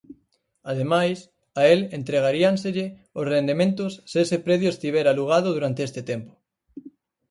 Ademais, a el entregaríanselle os rendementos se ese predio estivera alugado durante este tempo.